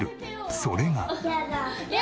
それが。